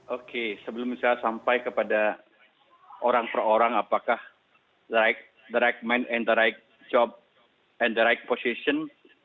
oke sebelum saya sampai kepada orang per orang apakah the right man and the right shop and the right position